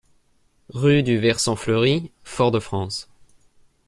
Rue du Versant Fleuri, Fort-de-France